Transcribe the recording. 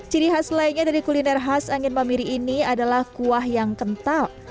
ciri khas lainnya dari kuliner khas angin mamiri ini adalah kuah yang kental